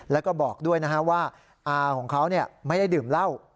แล้วก็บอกด้วยนะฮะว่าอาของเขาไม่ได้ดื่มเหล้า